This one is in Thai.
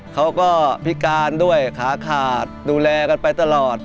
เขาก็พิการด้วยขาขาดดูแลกันไปตลอด